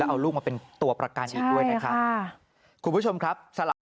เอาลูกมาเป็นตัวประกันอีกด้วยนะครับคุณผู้ชมครับสลับ